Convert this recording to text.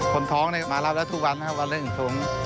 คนท้องมารับแล้วทุกวันครับวันหนึ่งถุง